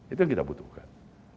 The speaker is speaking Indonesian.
itu yang kita butuhkan